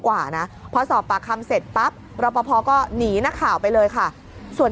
กว่านะพอสอบปากคำเสร็จปั๊บรอปภก็หนีนักข่าวไปเลยค่ะส่วน